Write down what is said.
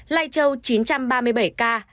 lây châu chín trăm ba mươi bảy ca